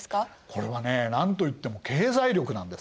これはね何と言っても経済力なんです。